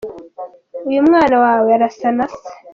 Uyu mwana wawe arasa na se !.